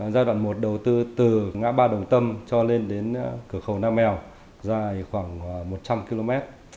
giai đoạn một đầu tư từ ngã ba đồng tâm cho lên đến cửa khẩu nam mèo dài khoảng một trăm linh km